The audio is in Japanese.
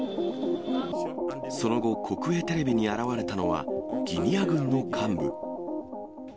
その後、国営テレビに現れたのは、ギニア軍の幹部。